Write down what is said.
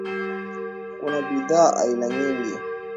Kuna bidhaa aina nyingi.